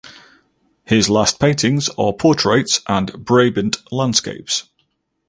His last paintings are portraits and Brabant landscapes.